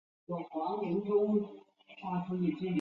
韦耶人口变化图示